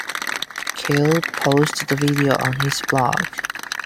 Kele posted the video on his blog.